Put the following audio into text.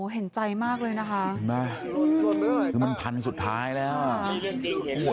เห็นไหมคือมันพันธุ์สุดท้ายแล้ว